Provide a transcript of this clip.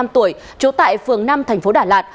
ba mươi năm tuổi chỗ tại phường năm tp đà lạt